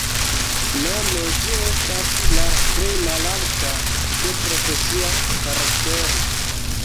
Nome ĝi estas la plej malalta de profesia karaktero.